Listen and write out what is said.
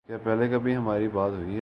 کیا پہلے کبھی ہماری بات ہوئی ہے